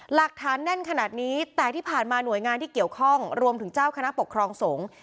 หลักฐานแน่นขนาดนี้แต่ที่ผ่านมาหน่วยงานที่เกี่ยวข้องรวมถึงเจ้าคณะปกครองสงฆ์